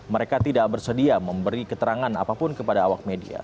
mereka tidak bersedia memberi keterangan apapun kepada awak media